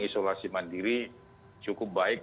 isolasi mandiri cukup baik